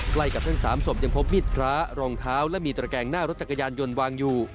ใกล้กับทั้ง๓ศพยังพบมีดพระรองเท้าและมีตระแกงหน้ารถจักรยานยนต์วางอยู่